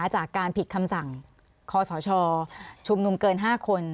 จากการผิดคำสั่งคศชุมนุมเกิน๕คน